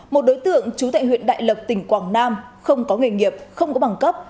một đối tượng trú tại huyện đại lộc tỉnh quảng nam không có nghề nghiệp không có bằng cấp